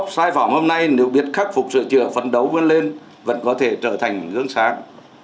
sai phỏng hôm nay nếu biết khắc phục sửa chữa phấn đấu vươn lên vẫn có thể trở thành hướng sáng